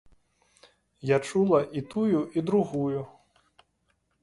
Я чула і тую, і другую.